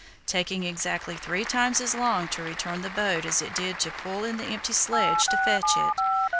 taking exactly three times as long to return with the boat as it did to pull in the empty sledge to fetch it.